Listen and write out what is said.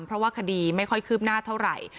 เพราะว่าคดีไม่ค่อยคืบหน้าเท่าไหร่